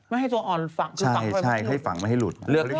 ไม่ให้ตัวอ่อนฝังหรือฝังไม่ให้หลุดใช่ให้ฝังไม่ให้หลุด